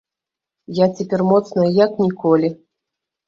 Я цяпер моцная як ніколі.